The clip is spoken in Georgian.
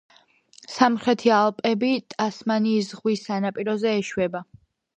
სამხრეთი ალპები ტასმანიის ზღვის სანაპიროზე ეშვება.